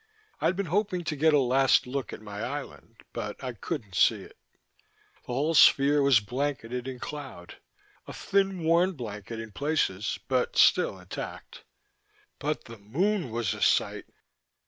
I'd been hoping to get a last look at my island, but I couldn't see it. The whole sphere was blanketed in cloud: a thin worn blanket in places but still intact. But the moon was a sight!